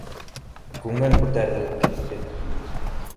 Күңел күтәрелеп китте.